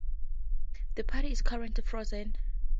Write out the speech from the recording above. The party is currently frozen.